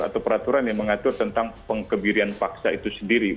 atau peraturan yang mengatur tentang pengkebirian paksa itu sendiri